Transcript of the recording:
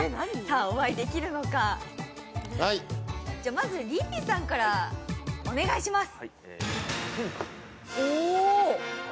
まずリリーさんからお願いします。